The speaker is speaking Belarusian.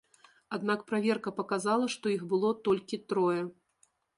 Аднак праверка паказала, што іх было толькі трое.